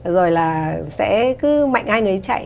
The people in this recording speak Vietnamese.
rồi là sẽ cứ mạnh ai người ấy chạy